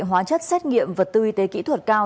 hóa chất xét nghiệm vật tư y tế kỹ thuật cao